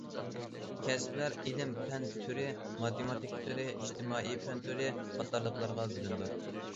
كەسىپلەر ئىلىم- پەن تۈرى، ماتېماتىكا تۈرى، ئىجتىمائىي پەن تۈرى قاتارلىقلارغا بۆلۈنىدۇ.